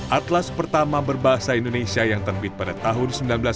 atlas pertama berbahasa indonesia yang terbit pada tahun seribu sembilan ratus sembilan puluh